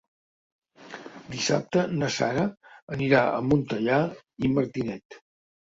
Dissabte na Sara anirà a Montellà i Martinet.